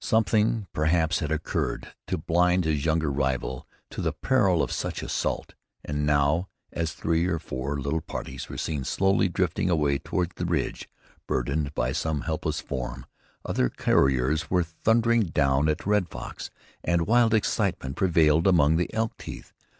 Something, perhaps, had occurred to blind his younger rival to the peril of such assault, and now, as three or four little parties were seen slowly drifting away toward the ridge, burdened by some helpless form, other couriers came thundering down at Red Fox, and wild excitement prevailed among the Elk Teeth.